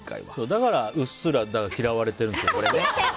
だからうっすら嫌われているんですよ。